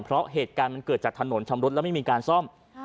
เพราะเหตุการณ์มันเกิดจากถนนชำรุดแล้วไม่มีการซ่อม